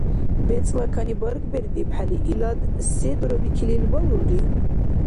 БецӀла кани баргбердибхӀели, илад се дурабикилрил балулрив?